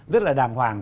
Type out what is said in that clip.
rất là đàng hoàng